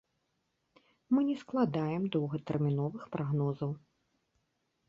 Мы не складаем доўгатэрміновых прагнозаў.